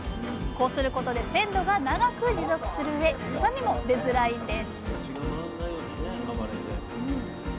こうすることで鮮度が長く持続するうえ臭みも出づらいんです血が回んないようにね暴れて。